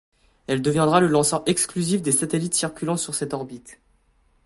Elle deviendra le lanceur exclusif des satellites circulant sur cette orbite.